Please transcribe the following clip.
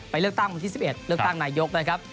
ไปเลือกตั้งของที่สิบเอ็ดเลือกตั้งนายยกนะครับ